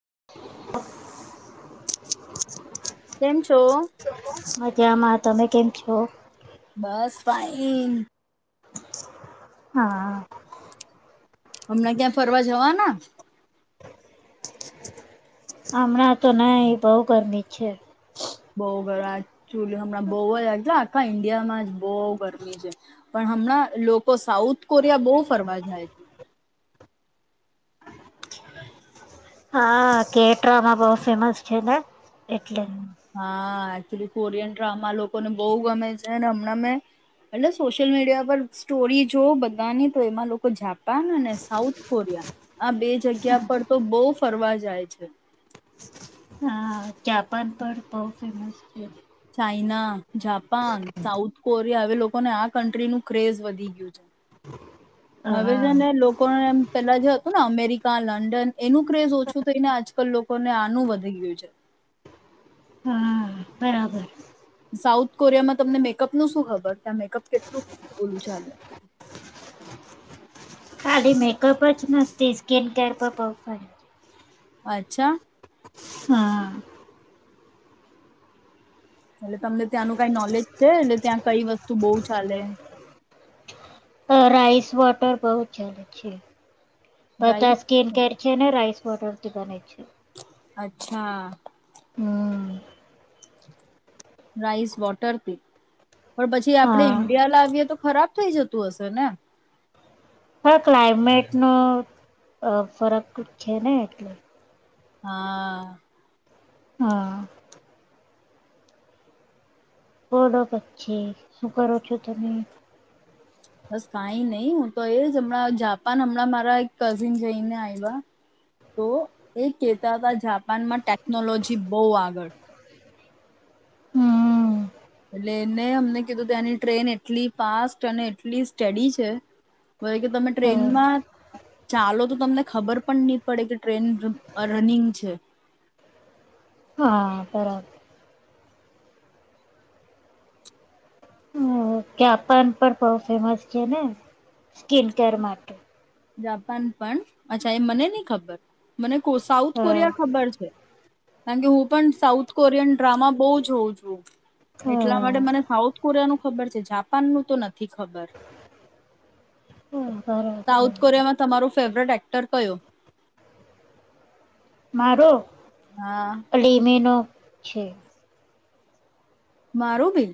[inaudible] [unintelligible] કેમ છો? જામાં તમે કેમ છો? બસ ફાઈન. હા. હમણાં ક્યાં ફરવા જવાના? હમણાં તો નહીં બહુ ગરમી જ છે. બહુ ગર એક્ચ્યુલી હમણાં બઉ જ આખા ઈન્ડિયામાં જ બહુ ગરમી છે પણ હમણાં લોકો સાઉથ કોરિયા બહુ ફરવા જાય છે. હા કેટરામાં બહુ ફેમસ છે ને. એટલે. હા એક્ચ્યુલી કોરિયન ડ્રામા લોકોને બહુ ગમે છે. ને હમણાં મેં એટલે સોશિયલ મીડિયા પર સ્ટોરી જોઉં બધાની તો એમાં લોકો જાપાન અને સાઉથ કોરિયા આ બે જગ્યા પર તો બહુ ફરવા જાય છે. હા જાપાન પણ બહુ ફેમસ છે China, Japan, South Korea હવે લોકોને આ કન્ટ્રીનું ક્રેઝ વધી ગયું છે. હવે હા છે ને લોકોને એમ પેલા જે હતું ને અમેરિકા, લંડન એનું ક્રેઝ ઓછું થઈને આજકલ લોકોને આનું વધી ગયું છે. હા બરાબર. સાઉથ કોરિયામાં તમને મેકઅપ નું શું ખબર ત્યાં મેકઅપ કેટલું ઓલું ચાલે? ખાલી મેકઅપ જ મસ્તી સ્કીન કેર પર પ્રોપર. અચ્છા. હા. એટલે તમને ત્યાંનું કાઈ નોલેજ છે એટલે ત્યાં કંઇ વસ્તુ બહુ ચાલે? અ રાઈસ વોટર બહુ ચાલે છે. રાઈસ બધાં સ્કીન કેર છે ને રાઈસ કોટરથી બને જ્ અચ્છા. હમ રાઈસ વોટર પી પણ પછી આપડે હા ઈન્ડિયા લાવીએ તો ખરાબ. થઈ જતું હશે ને? હહ ક્લાઈમેટ નો અ ફરક છે ને એટલે હા. હહ બોલો પછી શું કરો છો તમે? બસ કઈ નહી હું તો એ જ હમણાં જાપાન હમણાં મારા એક કઝિન જઈને આવ્યા તો એ કેતા હતા જાપાનમાં ટેકનોલોજી બહુ આગળ. હમ્મ. એટલે એને અમને કીધું ત્યાંની ટ્રેન એટલી ફાસ્ટ અને એટલી સ્ટડી છે કે તમે હા ટ્રેનમાં ચાલો તો તમને ખબર પણ નહી પડે કે ટ્રેન રનિંગ છે. હા બરાબર જાપાન પણ બહ ફેમસ છે ને સ્કીિન કેર માટે જાપાન પણ અચ્છા એ મને નહીં ખબર મને સાઉથ હા. કોરિયા ખબર છે. કારણ કે હું પણ સાઉથ કોરિયન ડ્રામા બહુ જોઉં છું એટલા હા માટે મને સાઉથ કોરિયાનું ખબર છે જાપાન નું તો નથી ખબર. બરાબર સાઉથ કોરિયામાં તમારું ફેવરેટ એક્ટર કયો. મારો. હા અલીમી ન. છે. મારું બી.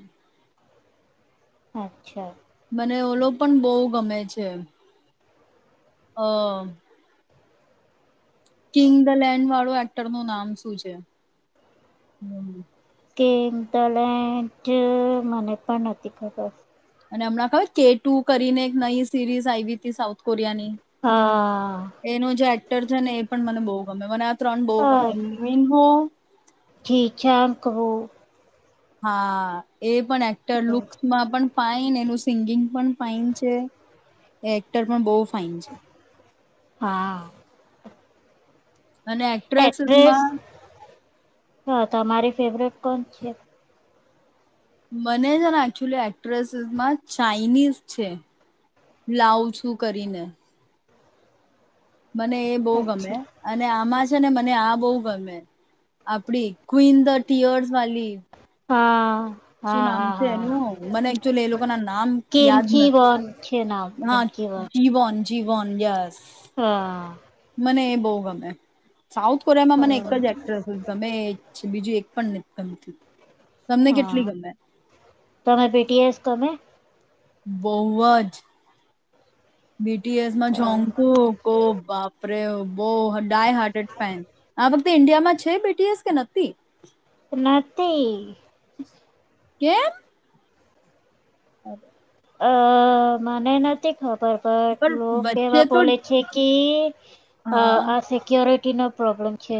અચ્છા. મને ઓલો પણ બહુ ગમે છે. હા. કિંગ ધ લેન વાળો એક્ટર નું નામ શું છે હ. સ્કેંગ ધલેન્ટ મને પણ નથી ખબર. અને હમણાં ખબર કે ટુ કરીને એક નવી સિરીઝ આવી હતી સાઉથ કોરિયા ની. હા. છે ને પણ મને બહુ ગમે મને ત્રણ બહુ અ ગમે હો. જીચાંકવું હા. એ પણ એક્ટર લુક્સમાં પણ. ફાઇન એનું સિંગિંગ પણ ફાઇન છે એક્ટર પણ બહુ ફાઇન છે. હા. અને એક્ટ્રેસીસ માં. હા તમારી ફેવરેટ કોણ છે? મને છે ને એકચુલી એક્ટ્રેસીસમાં ચાાઈનીઝ છે. લ્લાઉસું કરીને. મને એ બહુ ગમે અચ્છા અને આમાં જ. ને મને આ બહુ ગમે આપડી ક્વિન ધ ટીયર્સ વાલી. હા. શું હા નામ હા છે હા એનું? મને એકચુલી એ લોકોના નામ યાદ કિમકી નથી. વન છે નામ હા કિમકી વન જીવન. જીવન, યસ હા મને એ બહુ ગમે સાઉથ કોરિયામાં મને એક જ એક્ટ્રેસ ગમે બીજું [unintelligible] તમને કેટ [inaudible] તમને બીટીએશ ગમે? બૌવ જ બીટીએસમાં જોન્કુ [unintelligible] આપડે બો ડાય હાર્ટેડ ફેન. આવખતે ઈન્ડિયામાં છે બેટીએસ કે નથી? નથી. કેમ? [inaudible] અ મને નથી ખબર. બટ પણ લોકો કેવા વચ્ચે તો બોલે છે કે [unintelligible] અ હા આ સિક્યોરિટી કિનો પ્રોબ્લેમ છે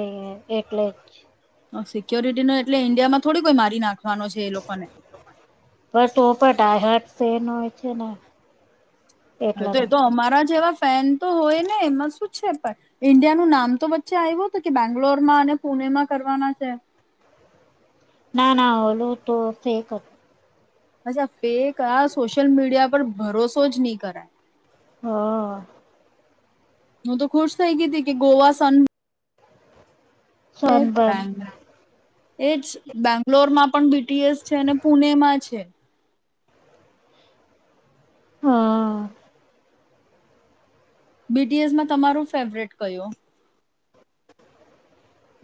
એટલે જ. સિક્યોરિટીનો એટલે ઈન્ડિયામાં થોડી કોઈ મારી નાખ [unintelligible] તેનો એ છેને. હા, એ તો એતો અમારા જેવા ફેન તો હોય, ને એમાં શું છે, પણ ઈન્ડિયાનું નામ તો વચ્ચે આવ્યું હતું, કે બેંગ્લોરમાં અને પુણેમાં કરવાના છે. ના, ના ઓલુ, તો ફેક હતું. અચ્છા ફેક, આ સોશિયલ મીડિયા પર ભરોસો જ નહી, કરાએ. હા. હું, તો ખુશ થઇ ગય હતી, કે ગોવા સન સુનબુરણ. એજ બેંગ્લોરમાં, પણ બીટીએસ છે, અને પુણેમાં છે. હા. બીટીએસમાં, તમારું ફેવરેટ કયો?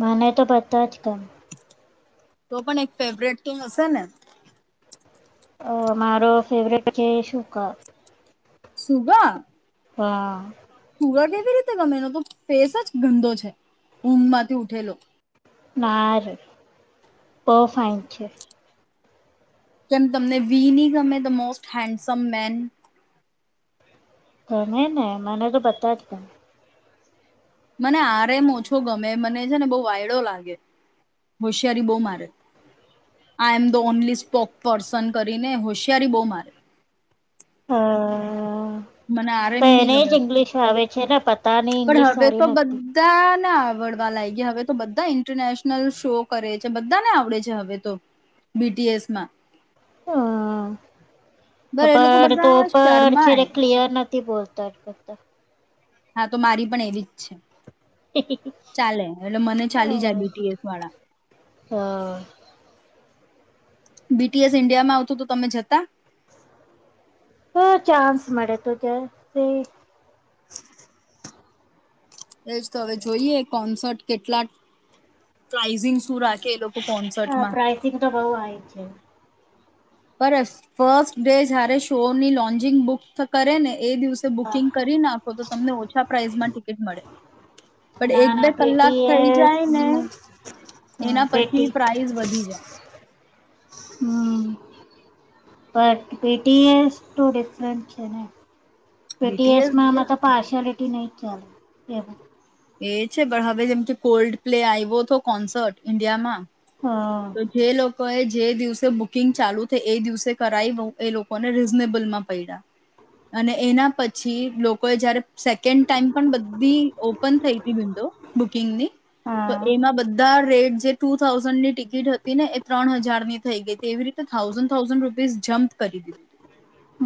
મને, તો બધા જ [unintelligible] તો પણ એક ફેવરેટ તો હશે ને. અ મારો ફેવરેટ છે શું કવ? સુભા હા. પૂરા કેવી રીતે ગમેલો તો ફેસ જ ગંદો છે. ઊંઘ માંથી ઉઠેલો. નારે બવફાઈન છે. કેમ તમને વીની ગમે ધ મોસ્ટ હેન્ડસમ મેન. હમે ને મને તો બધાજ ગમે ને. મને આરેમ ઓછો ગમે મને છે ને બહુ વાયડો લાગે હોશિયારી બહુ મારે I am the only spoke person કરીને હોશિયારી બહુ મારે. હા. મને આરએમ ની મને ગમે ઇંગ્લિશ ફાવે. ચરાપત પણ હવે તો બધા આવડવા લાગ હવે તો બધા ઇન્ટરનેશનલ શો કરે છે બધાને આવડે છે હવે તો બીટીએસમાં. હમ બર એ લોકો પણ તો બધા પણ છે શર્માય ક્લિયર નથી બોલતા ઉતાર કરતા. હા તો મારી પણ એવી. ચાલે એટલે મને ચાલી જાય બીટીએસ વાળા. હા બીટીએસ ઇન્ડિયામાં આવતું તો તમે જતા તો ચાન્સ મળે તો જશે. એજ તો હવે જોઈએ કોન્સર્ટ કેટલા પ્રઝિંગ શું રાખે એ લોકો. હા કોન્સર્ટમાં પ્રઇસિંગ તો બહુ હાય છે. બ ફસ્ટ ડે જારે શો ની લોન્ચિંગ શરૂ કરે ને. એ દિવસે બુકિંગ કરી નાખો તો તમને ઓછા પ્રાઇસમાં ટિકિટ મળે પણ એક ના બે ના કલાક પેટી એ થઈ જાય ને હમ, હા, એના પછી પેટી પ્રાઈસ વધી જાય. હમ બ પીટીએ તો ડિફરન્ટ છે ને. બીટીએસ પીટીએસમાં તો પા. ફટી નઈટ ચાલ રેબ. એ છે પણ હવે જેમ કે કોલ્ડ પ્લે આવ્યો હતો કોન્સર્ટ ઈન્ડિયામાં. હા તો જે લોકો એ. જે દિવસે બુકિંગ ચાલુ થઈ એ દિવસે કરાવી એ લોકોને રીઝનેબલ માં પૈડ્યા અને એના પછી લોકોએ જારે. સેકન્ડ ટાઈમ પણ બધી ઓપન થઈ ત વિન્ડો બુકિંગની તો હા એમાં બધા. રેટ જે ટુ થાઉઝન્ડ ની ટિક. ટ હતી ને એ ત્રણ હજાર ની થઈ ગઈ હતી એવી રીતે થાઉઝન્ડ થાઉઝન્ડ રૂપીસ જમ્પ કરી દીધી.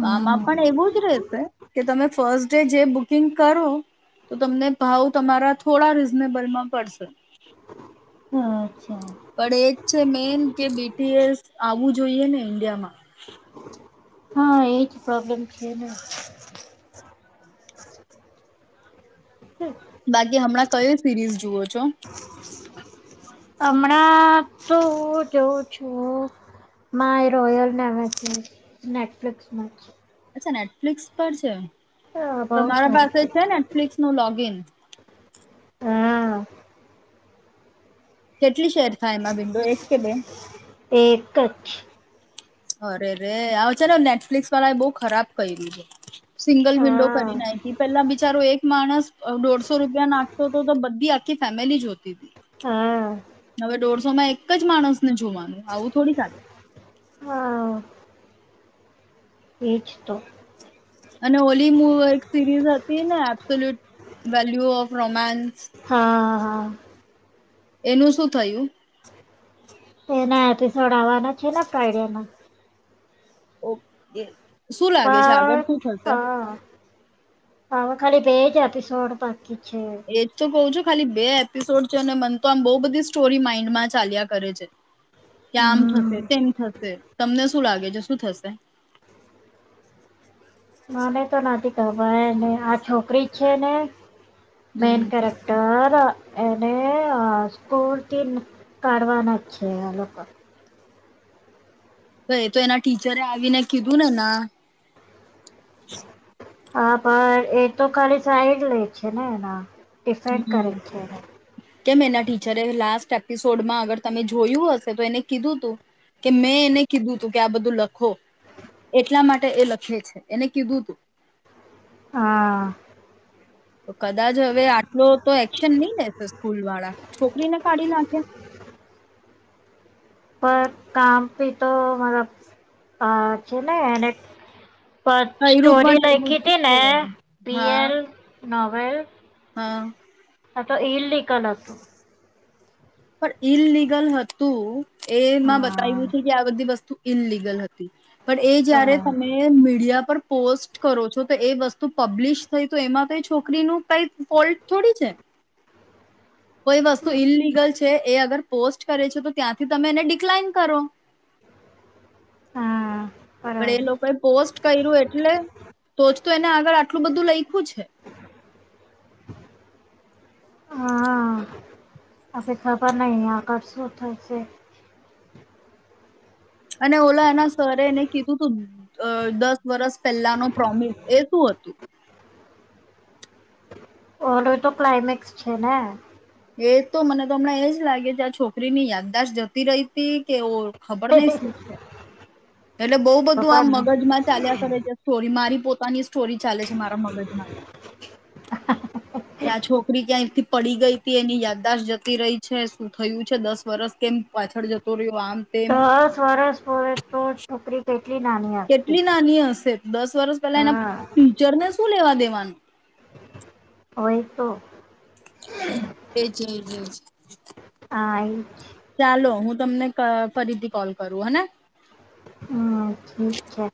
તો આમાં પણ એવું જ રેશે કે તમે. ફર્સ્ટ ડે જે બુકિંગ કરો તો તમને ભાવ તમારા થોડા રીઝનેબલમાં પડશે. અચ્છા. પણ એજ છે મેન કે બીટીએસ આવવું જોઈએ ને ઈન્ડિયામાં. હા એ જ પ્રોબ્લેમ છે ને. હમ. બાકી હમણાં કયો સિરીઝ જુવો છો. હમણાં તો જોઉં છું મા એ રોયલ નેવે નેટફ્લિક્સમાં. અચ્છા નેટફ્લિક્સ પર છે. હા તો બહુ મારા સારી પાસે છે નેટફ્લિકસ નું લોગ ઇન. હા કેટલી શેર થાય એમાં બિડો એક કે બે. એક જ. અરે રે આવ છે નેટફ્લિક્સ વાળા એ બહુ ખરાબ કર્યું છે. સિંગલ વિન્ડો હા કરી નાખી પેલા બિચારો એક માણસ. દોઢસો રૂપિયા નાખતો તો બધી આખી ફેમિલી જ જોતી હતી. હા. હવે દોઢસો માં એક જ માણસને જોવાનું આવું થોડી થાય. હા. ઈચ તો. અને ઓલી મવ સિરીઝ હતી ને એબસોલ્યુટ વેલ્યુ ઓફ રોમાન્સ. હા હા. હમ. એનું શું થયું. એના એપિસોડ આવવાના છે ફાઈડિયા ના. ઓ એ. બા હા. ખાલી બેેજ એપીસોડ. એજ તો કઉ છું. ખાલી બે એપિસોડ છે અને મન તો આમ બહ બધી સ્ટોરી માઈન્ડ માં ચાલ્યા કરે છે. કે આમ થશે હમ, તેમમ થશે. તમને શું લાગે છે શું થશે. મને તો નથી ખબરને આ છોકરી છે ને. મેન હમ કરેક્ટર. સર એને સ્કોરથી કાઢવાના છે આ લોકો. હ એ તો એના ટીચરે આવીને કીધું ને ના. હા પણ એ તો ખાલી સાઈ જ લે છે ને એના. ડિફેન્ડ કરે છે. કેમ એના ટીચરે લાસ્ટ એપિસોડમાં અગર તમે જોયું હશે તો એને કીધું તું કે મેં એને કીધું તું કે આ બધું લખો એટલા માટે એ લખે છે એને કીધું તું. હા. તો કદાચ હવે આટલો તો એક્શન નહી લેશે સ્કૂલ વાળા છોકરીને કાઢી નાખે. પણ કામ પી તો મતલબ આ છે ને એને. પર કર્યું સ્ટોરી પણ એવું લેખી હતી ને જ છે હા પીએલ. નોવેલ. હા. આ તો ઇનલીગલ ના તો. પણ ઈલિગલ હતું. એમાં હા બતાવ્યું છે કે આ બધી વસ્તુ. ઇલિગલ હતી. પણ એ જયારે હા તમે મીડિયા પર. પોસ્ટ કરો છો તો એ વસ્તુ પબ્લિશ થઈ તો એમાં તો છોકરીનું કઈ ફોલ્ટ થોડી છે. કોઈ વસ્તુ ઇલીગલ એ અગર પોસ્ટ કરે છે, તો ત્યાંથી તમે એને ડિકલાઈન કરો. હા પણ બરાબર એ લોકોએ પોસ્ટ કર્યું એટલે તો તો એને આગળ આટલું બધું લઈખ્યું છે. હા અભી ખબર નહીં આ કર શું થશે. અને ઓલા એના સરે એને કીધું તું દસ વર્સ પહેલા ન પ્રોમિસ એ શું હતું. ઓરો તો ક્લાઇમેક્સ છે ને. એ તો મને તો હમણાં એજ લાગે કે આ છોકરી ની યાદદાશત જતી રહી હતી કે ઓ ખબર ન શું છે. એટલે બઉુ બધું ખબર આમ નહીં મગજ માં ચાલ્યા કરે છે સ્ટોરી બીમારી પોતાની સોરી ચાલે છે મારા મગજમાંથી ત્યા છોકરી ક્યાંથી પડી ગઈ હતી એની યાદદાશત જતી રહી છે શું થયું છે દસ વરષ કેમ પાછળ જતો રહ્યો. આમ તેમ દસ વરસ પોવે તો છોકરી કેટલી નાની હતી કેટલી નાની હશે. દસ વર્ષ પેલા એના હા ટીચરને શું લેવા દેવાનું હોય તો [inaudible] એ જય જ હમ [inaudible] ચાલો હું તમને ફરીથી કોલ કરું હેને. હ ઠીક છે.